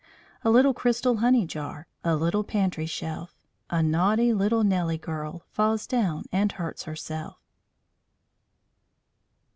A little crystal honey jar, A little pantry shelf. A naughty little Nelly girl Falls down, and hurts herself.